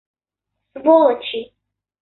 Сволочи!